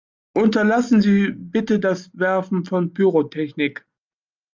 Unterlassen Sie bitte das Werfen von Pyrotechnik!